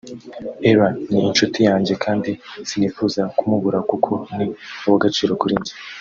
Ellah ni inshuti yanjye kandi sinifuza kumubura kuko ni uw’agaciro kuri njye